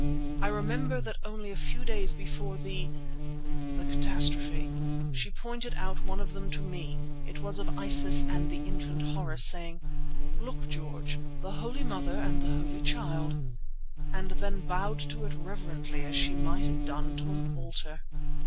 I remember that only a few days before the—the catastrophe, she pointed out one of them to me, it was of Isis and the infant Horus, saying, 'Look, George, the holy Mother and the holy Child,' and then bowed to it reverently as she might have done to an altar.